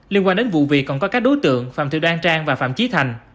liên quan đến vụ việc còn có các đối tượng phạm thị đoan trang và phạm chí thành